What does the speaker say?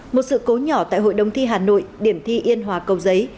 một sự cố nhỏ tại hội đồng thi hà nội điểm thi yên hòa cầu giấy